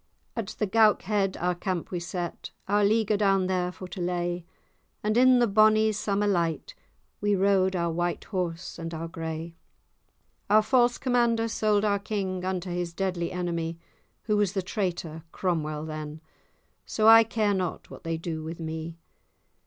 At the Goukhead our camp we set, Our leaguer down there for to lay; And, in the bonny summer light, We rode our white horse and our gray. Our false commander sold our king, Unto his deadly enemie, Who was the traitor, Cromwell, then; So I care not what they do with me.